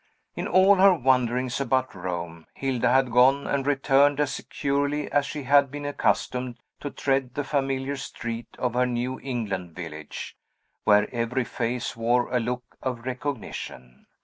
In all her wanderings about Rome, Hilda had gone and returned as securely as she had been accustomed to tread the familiar street of her New England village, where every face wore a look of recognition.